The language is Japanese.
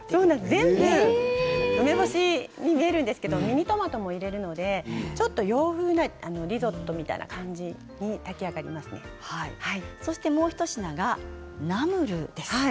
全部梅干しに見えるんですがミニトマトも入れるのでちょっと洋風のリゾットみたいな感じにもう一品がナムルです。